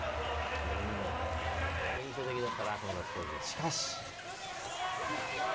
しかし。